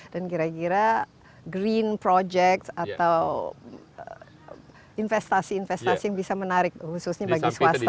dan kira kira green project atau investasi investasi yang bisa menarik khususnya bagi swasta itu